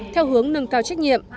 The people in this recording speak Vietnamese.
theo hướng nâng cao trách nhiệm